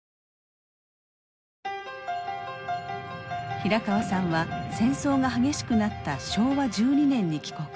平川さんは戦争が激しくなった昭和１２年に帰国。